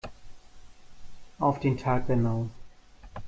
Auf den Tag genau.